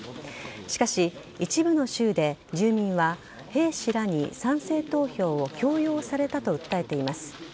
しかし、一部の州で住民は兵士らに賛成投票を強要されたと訴えてます。